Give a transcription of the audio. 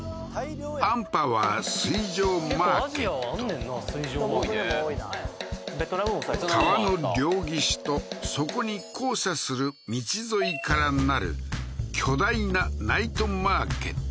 アンパワー水上マーケット川の両岸とそこに交差する道沿いからなる巨大なナイトマーケット